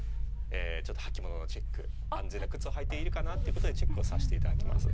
履物のチェック、安全な靴を履いているかなということでチェックをさせていただきます。